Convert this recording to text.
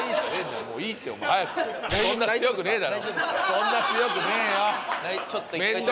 そんな強くねえよ！